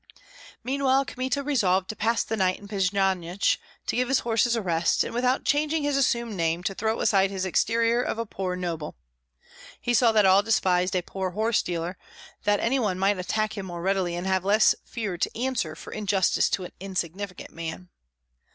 Meanwhile Kmita resolved to pass the night in Pjasnysh to give his horses rest, and without changing his assumed name to throw aside his exterior of a poor noble. He saw that all despised a poor horse dealer, that any one might attack him more readily and have less fear to answer for injustice to an insignificant man.